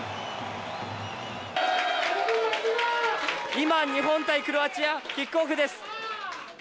今、日本対クロアチア、キックオフです。